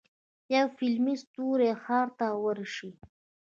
یو فلمي ستوری ښار ته ورشي.